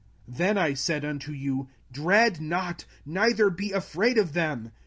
05:001:029 Then I said unto you, Dread not, neither be afraid of them.